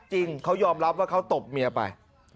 จริงเขายอมรับว่าเขาตบเมียไป